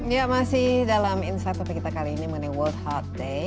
ya masih dalam insight topik kita kali ini mengenai world heart day